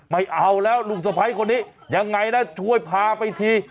ไม่เอาแล้วลูกสะพ้ายคนนี้ยังไงนะช่วยพาไปที